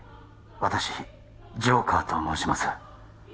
私ジョーカーと申します